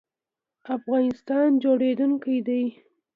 افغانستان جوړیدونکی دی